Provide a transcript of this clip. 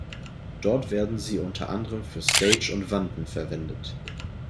Dort werden sie unter anderem für Stage und Wanten verwendet.